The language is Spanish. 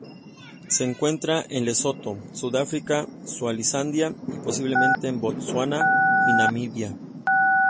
Se encuentra en Lesoto, Sudáfrica, Suazilandia y, posiblemente en Botsuana y Namibia.